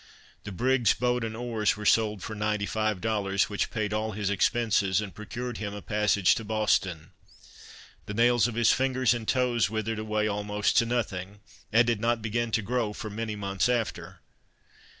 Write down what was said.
The brig's boat and oars were sold for 95 dollars, which paid all his expenses, and procured him a passage to Boston. The nails of his fingers and toes withered away almost to nothing, and did not begin to grow for many months after.